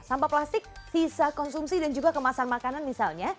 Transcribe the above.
sampah plastik sisa konsumsi dan juga kemasan makanan misalnya